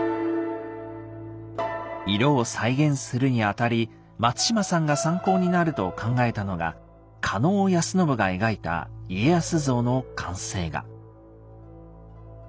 色を再現するにあたり松島さんが参考になると考えたのが狩野安信が描いた家康像の完成画。